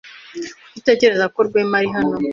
Kuki utekereza ko Rwema ari hano?